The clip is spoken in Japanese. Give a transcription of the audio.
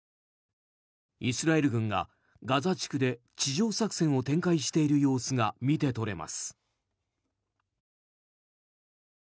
イスラエル軍がガザ地区で地上作戦を展開している様子が見て取れます。